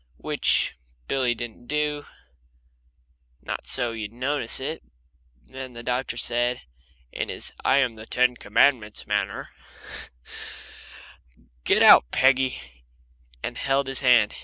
Which Billy didn't do, not so you'd notice it. Then the doctor said, in his I am the Ten Commandments manner, "Get out, Peggy," and held his hand.